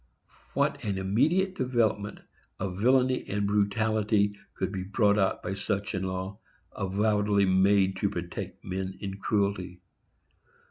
What an immediate development of villany and brutality would be brought out by such a law, avowedly made to protect men in cruelty!